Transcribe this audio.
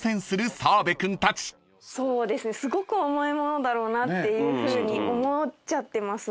すごく重いものだろうなっていうふうに思っちゃってます